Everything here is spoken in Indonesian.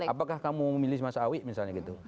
apakah kamu memilih masawi misalnya gitu